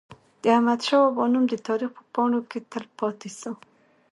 د احمد شاه بابا نوم د تاریخ په پاڼو کي تل پاتي سو.